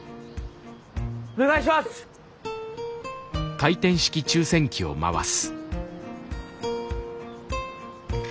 お願いします！